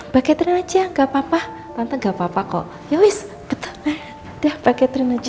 pak catering aja nggak papa nanti nggak papa kok ya wis betul deh pak catering aja